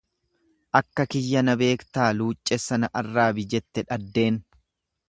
Akka kiyyaa na beekta luucceessa na arraabi jette dhaddeen.